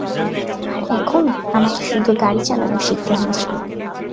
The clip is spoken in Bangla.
আর এখন, আমাকে শুধু গাড়ি চালানো শিখতে হয়েছিল।